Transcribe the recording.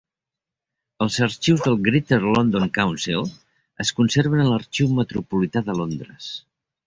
Els arxius del Greater London Council es conserven a l'Arxiu Metropolità de Londres.